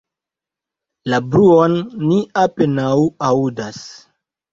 La bruon ni apenaŭ aŭdas.